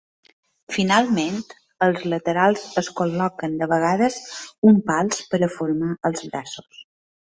Finalment, als laterals es col·loquen de vegades uns pals per a formar els braços.